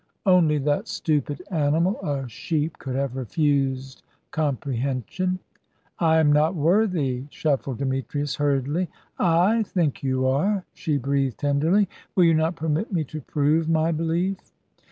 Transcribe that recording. Only that stupid animal, a sheep, could have refused comprehension. "I am not worthy," shuffled Demetrius, hurriedly. "I think you are," she breathed tenderly. "Will you not permit me to prove my belief?"